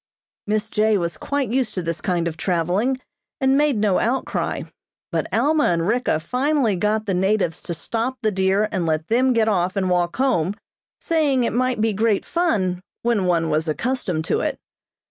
Miss J. was quite used to this kind of traveling, and made no outcry, but Alma and Ricka finally got the natives to stop the deer and let them get off and walk home, saying it might be great fun when one was accustomed to it.